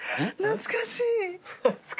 懐かしい？